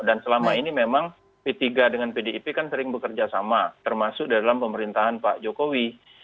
dan selama ini memang p tiga dengan pdip kan sering bekerja sama termasuk dalam pemerintahan pak jokowi